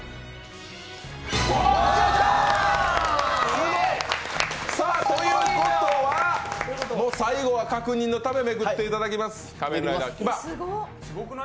すごい、ということは最後は確認のためめくっていただきます、キバ。